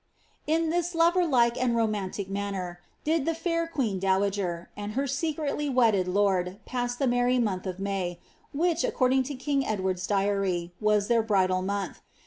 "^ In this loverlike and romantic manner did the fair queen dowapr, and her secretly wedded lord past the merry month of 3Iay, whueli, according to king Edward^s diary, was their bridal month.